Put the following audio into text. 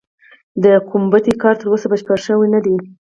د ګومبتې کار تر اوسه بشپړ شوی نه دی.